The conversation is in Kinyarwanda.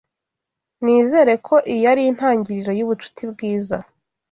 Nizere ko iyi ari intangiriro yubucuti bwiza.